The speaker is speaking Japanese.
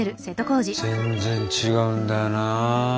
全然違うんだよな。